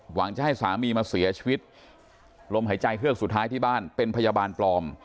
หวังจะให้สามีมาเสียชีวิตลมหายใจเฮือกสุดท้ายที่บ้านเป็นพยาบาลปลอม